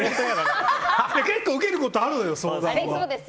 結構受けることあるのよ。